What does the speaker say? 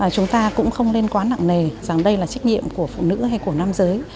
chúng ta cũng không nên quá nặng nề rằng đây là trách nhiệm của phụ nữ hay của nam giới